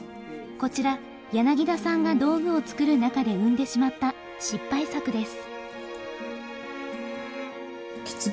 こちら柳田さんが道具を作る中で生んでしまった失敗作です。